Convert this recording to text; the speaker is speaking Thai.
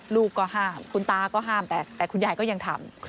ลูกก็ห้ามคุณตาก็ห้ามไปแต่คุณยายก็ยังทำ